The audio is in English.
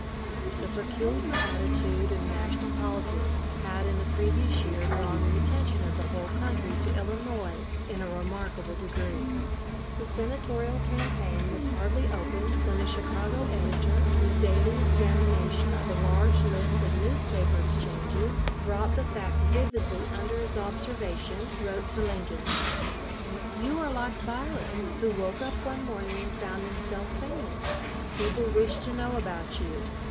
The peculiar attitude of national politics had in the previous year drawn the attention of the whole country to Illinois in a remarkable degree. The Senatorial campaign was hardly opened when a Chicago editor, whose daily examination of a large list of newspaper exchanges brought the fact vividly under his observation, wrote to Lincoln: "You are like Byron, who woke up one morning and found himself famous. People wish to know about you.